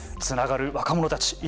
つながる若者たち。